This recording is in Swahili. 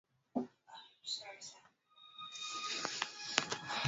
Waliongeza warsha